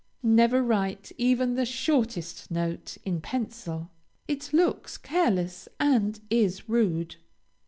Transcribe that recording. Never write, even the shortest note, in pencil. It looks careless, and is rude.